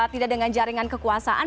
tidak dengan jaringan kekuasaan